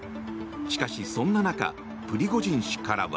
しかし、そんな中プリゴジン氏からは。